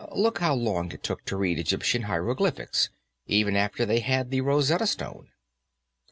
Look how long it took to read Egyptian hieroglyphics, even after they had the Rosetta Stone."